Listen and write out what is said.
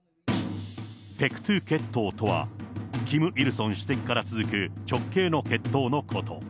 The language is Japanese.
ペクトゥ血統とは、キム・イルソン主席から続く直系の血統のこと。